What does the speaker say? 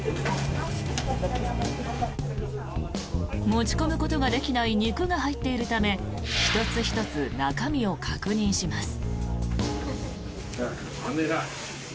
持ち込むことができない肉が入っているため１つ１つ中身を確認します。